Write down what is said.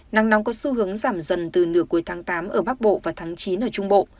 nắng nóng có xu hướng giảm dần từ nửa cuối tháng tám ở bắc bộ và tháng chín ở trung bộ